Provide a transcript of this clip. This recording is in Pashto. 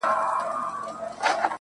ترڅو له ماڅخه ته هېره سې.